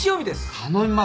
頼みますよ